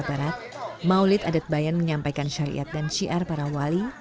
barat maulid adat bayan menyampaikan syariat dan syiar para wali